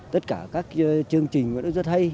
tất cả các chương trình nó rất hay